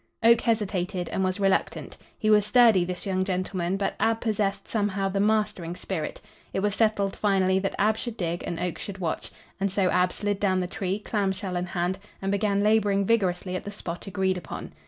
Oak hesitated and was reluctant. He was sturdy, this young gentleman, but Ab possessed, somehow, the mastering spirit. It was settled finally that Ab should dig and Oak should watch. And so Ab slid down the tree, clamshell in hand, and began laboring vigorously at the spot agreed upon.